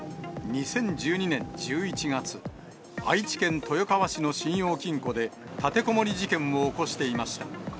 ２０１２年１１月、愛知県豊川市の信用金庫で、立てこもり事件を起こしていました。